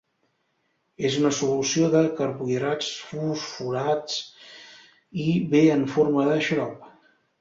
És una solució de carbohidrats fosforats i ve en forma de xarop.